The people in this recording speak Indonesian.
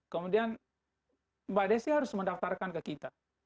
kemudian mbak desi harus mendaftarkan ke kita